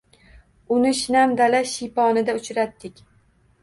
Uni shinam dala shiyponida uchratdik.